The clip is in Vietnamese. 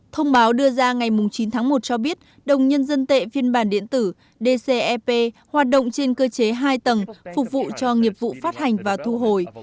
thông báo đưa ra ngày chín tháng một cho biết đồng nhân dân tệ phiên bản điện tử dcep hoạt động trên cơ chế hai tầng phục vụ cho nghiệp vụ phát hành và thu hồi